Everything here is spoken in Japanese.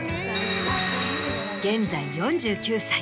現在４９歳。